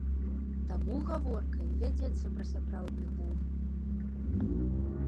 Таму гаворка і вядзецца пра сапраўдны бум.